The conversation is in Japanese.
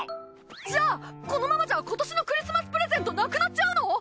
じゃあこのままじゃ今年のクリスマスプレゼントなくなっちゃうの？